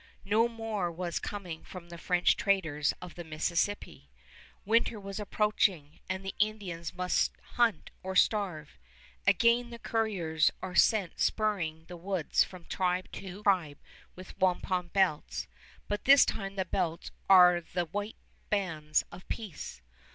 No more was coming from the French traders of the Mississippi. Winter was approaching, and the Indians must hunt or starve. Again the coureurs are sent spurring the woods from tribe to tribe with wampum belts, but this time the belts are the white bands of peace.